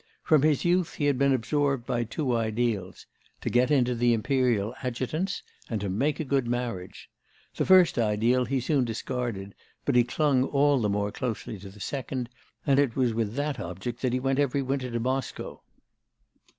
From his youth he had been absorbed by two ideals: to get into the Imperial adjutants, and to make a good marriage; the first ideal he soon discarded, but he clung all the more closely to the second, and it was with that object that he went every winter to Moscow.